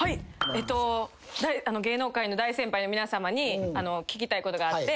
えっと芸能界の大先輩の皆さまに聞きたいことがあって。